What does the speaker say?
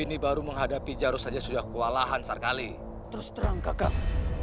kau ini baru menghadapi jaruh saja sudah kualahan sarkali terus terang kakak